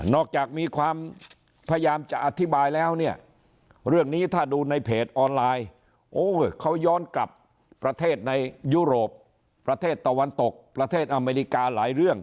จากมีความพยายามจะอธิบายแล้วเนี่ยเรื่องนี้ถ้าดูในเพจออนไลน์โอ้เขาย้อนกลับประเทศในยุโรปประเทศตะวันตกประเทศอเมริกาหลายเรื่อง